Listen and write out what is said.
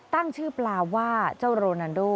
ตั้งชื่อปลาว่าเจ้าโรนันโด